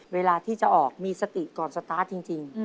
เวลาที่จะออกมีสติก่อนสตาร์ทจริง